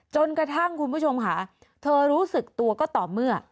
จนกระทั่งคุณผู้ชมค่ะเธอรู้สึกตัวก็ต่อเมื่อ